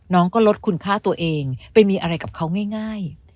น้องก็ลดคุณค่าตัวเองไปมีอะไรกับเขาง่าย